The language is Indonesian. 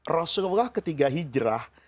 rasulullah ketiga hijrah